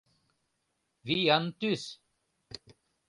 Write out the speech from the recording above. Виян тӱс!